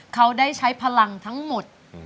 เขาได้ใช้พลังทั้งหมด